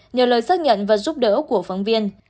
nhờ lời xác nhận và giúp đỡ của phóng viên